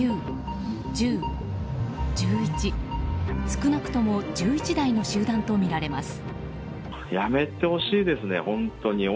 少なくとも１１台の集団とみられます。